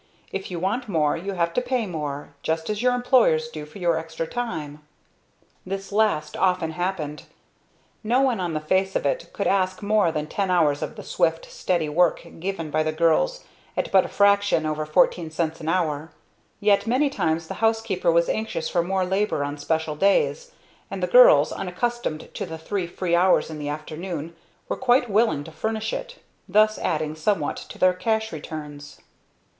If you want more you have to pay more, just as your employers do for your extra time." This last often happened. No one on the face of it could ask more than ten hours of the swift, steady work given by the girls at but a fraction over 14 cents an hour. Yet many times the housekeeper was anxious for more labor on special days; and the girls, unaccustomed to the three free hours in the afternoon, were quite willing to furnish it, thus adding somewhat to their cash returns.